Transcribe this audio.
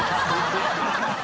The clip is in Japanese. ハハハ